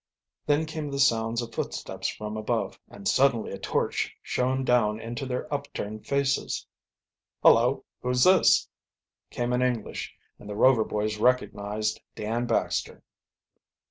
Then came the sounds of footsteps from above and suddenly a torch shone down into their upturned faces. "Hullo, who's this?" came in English and the Rover boys recognized Dan Baxter.